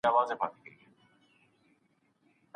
خپل چاپیریال د کار لپاره چمتو کړئ.